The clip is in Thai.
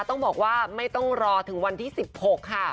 ต้องบอกว่าไม่ต้องรอถึงวันที่๑๖ค่ะ